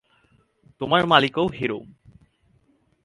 তোমার মালিকও হিরো?